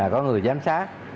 có người giám sát